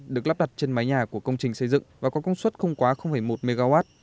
được lắp đặt trên mái nhà của công trình xây dựng và có công suất không quá một mw